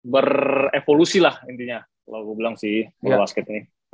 berevolusi lah intinya kalau gue bilang sih bola basket ini